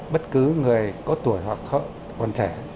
bất cứ người có tuổi hoặc con trẻ